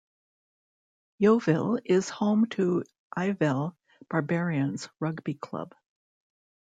Yeovil is home to Ivel Barbarians Rugby Club.